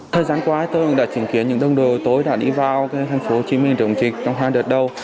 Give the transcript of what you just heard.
thời gian qua tôi đã chứng kiến những đồng đội tối đã đi vào tp hcm trồng dịch trong hai đợt đầu